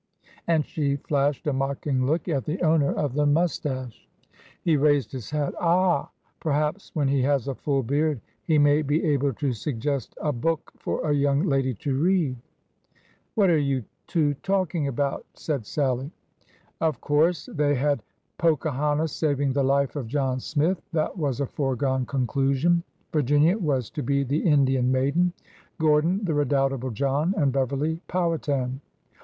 And she flashed a mocking look at the owner of the mustache. He raised his hat. " Ah h ! Perhaps when he has a full beard he may be able to suggest a book for a young lady to read." " What are you two talking about ?" said Sallie. Of course they had " Pocahontas Saving the Life of John Smith." That was a foregone conclusion. Vir ginia was to be the Indian maiden ; Gordon, the redoubt able John; and Beverly, Powhatan.